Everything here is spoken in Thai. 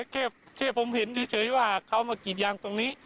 แค่ผมเห็นเฉยว่าเขามากรีดยางตรงนี้